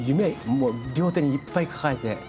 もう両手にいっぱい抱えて。